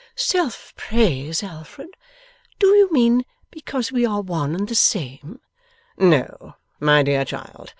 'Self praise, Alfred? Do you mean because we are one and the same?' 'No, my dear child.